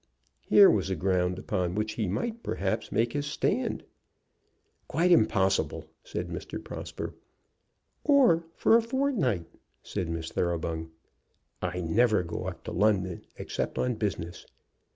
Here was a ground upon which he perhaps could make his stand. "Quite impossible!" said Mr. Prosper. "Or for a fortnight," said Miss Thoroughbung. "I never go up to London except on business."